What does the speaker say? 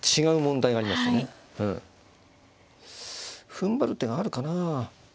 ふんばる手があるかな。